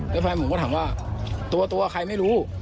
แล้วแฟนผมก็ถามว่าตัวใครไม่รู้